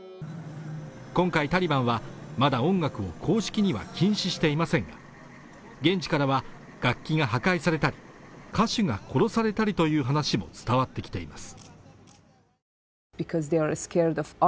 今回タリバンはまだ音楽を公式には禁止していませんが現地からは楽器が破壊されたり歌手が殺されたりという話も伝わってきています